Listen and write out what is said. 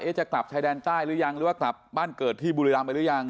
จะกลับชายแดนใต้หรือยังหรือว่ากลับบ้านเกิดที่บุรีรำไปหรือยัง